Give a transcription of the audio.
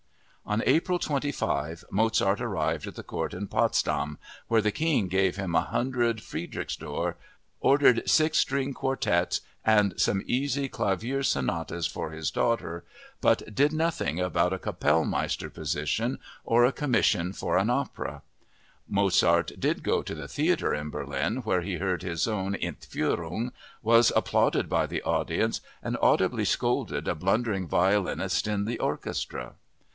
On April 25 Mozart arrived at the court in Potsdam, where the King gave him 100 Friedrichsdor, ordered six string quartets and some easy clavier sonatas for his daughter, but did nothing about a Kapellmeister position or a commission for an opera! Mozart did go to the theater in Berlin where he heard his own Entführung, was applauded by the audience, and audibly scolded a blundering violinist in the orchestra!